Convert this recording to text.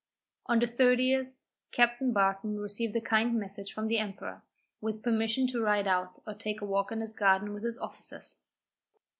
On the 30th, Captain Barton received a kind message from the emperor, with permission to ride out or take a walk in his garden with his officers.